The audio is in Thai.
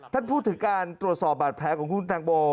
ท่านพูดถึงการตรวจสอบบาดแผลของคุณแตงโม